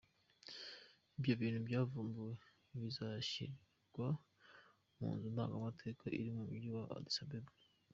Ibyo bintu byavumbuwe bizashyirwa mu nzu ndangamateka iri mu mugi wa Addis Abeba.